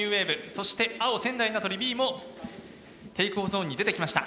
そして青仙台名取Ｂもテイクオフゾーンに出てきました。